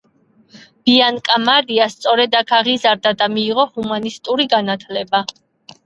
ბიანკა მარია სწორედ აქ აღიზარდა და მიიღო ჰუმანისტური განათლება.